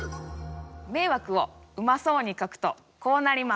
迷惑をうまそうに書くとこうなります。